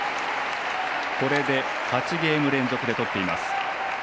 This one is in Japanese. これで８ゲーム連続で取っています。